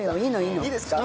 いいですか？